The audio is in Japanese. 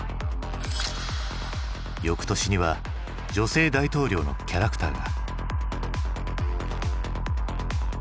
よくとしには女性大統領のキャラクターが。